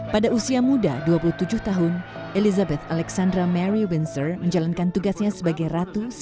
pada usia muda dua puluh tujuh tahun elizabeth alexandra mary windsor menjalankan tugasnya sebagai ratu